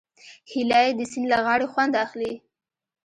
هیلۍ د سیند له غاړې خوند اخلي